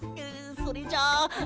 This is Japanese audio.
それじゃあえ。